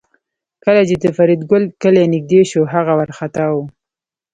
کله چې د فریدګل کلی نږدې شو هغه وارخطا و